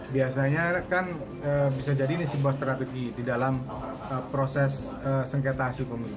biasanya kan bisa jadi ini sebuah strategi di dalam proses sengketa hasil pemilu